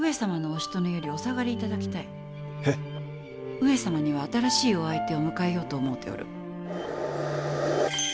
上様には新しいお相手を迎えようと思うておる。